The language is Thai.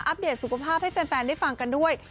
เดตสุขภาพให้แฟนได้ฟังกันด้วย